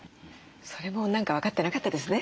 それも何か分かってなかったですね。